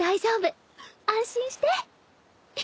安心して。